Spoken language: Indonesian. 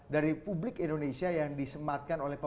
dari publik indonesia yang disematkan